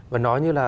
và nói như là